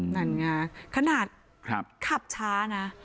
นั่นไงขนาดขับช้านะ